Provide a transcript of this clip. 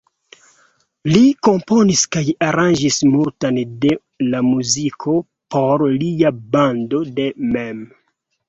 Li komponis kaj aranĝis multan de la muziko por lia bando de mem.